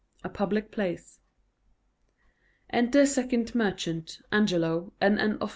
A public place._ _Enter Second Merchant, ANGELO, and an Officer.